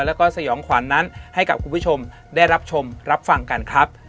แล้วก็สยองขวัญนั้นให้กับคุณผู้ชมได้รับชมรับฟังกันครับ